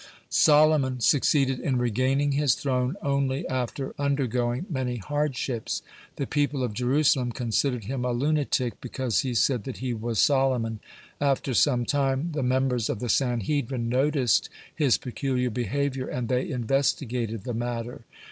(91) Solomon succeeded in regaining his throne only after undergoing many hardships. The people of Jerusalem considered him a lunatic, because he said that he was Solomon. After some time, the members of the Sanhedrin noticed his peculiar behavior, and they investigated the matter.